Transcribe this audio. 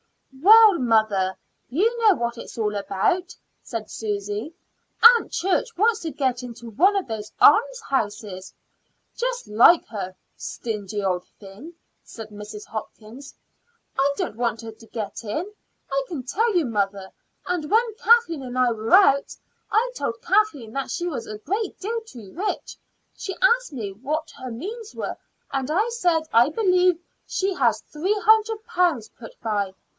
"Well, mother, you know what it is all about," said Susy. "Aunt Church wants to get into one of those almshouses." "Just like her stingy old thing!" said Mrs. Hopkins. "I don't want her to get in, I can tell you, mother; and when Kathleen and I were out I told Kathleen that she was a great deal too rich. She asked me what her means were, and I said I believed she has three hundred pounds put by.